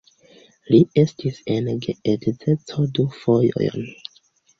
Li estis en geedzeco du fojojn.